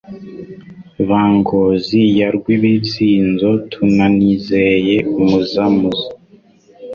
Ba Ngozi* ya RwibizinzoTunanizeye Umuzamuz